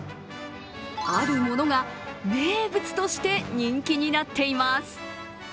あるものが名物として人気になっています。